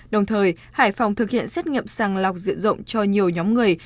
đồng thời hải phòng thực hiện xét nghiệm sàng lọc diện rộng cho nhiều nhóm người